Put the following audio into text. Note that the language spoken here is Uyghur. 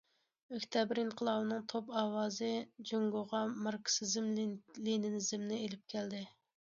ئۆكتەبىر ئىنقىلابىنىڭ توپ ئاۋازى جۇڭگوغا ماركسىزم- لېنىنىزمنى ئېلىپ كەلدى.